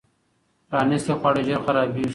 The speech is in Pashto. پرانیستي خواړه ژر خرابېږي.